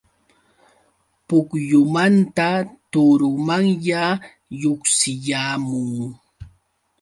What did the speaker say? Pukyumanta turumanya lluqsiyaamun.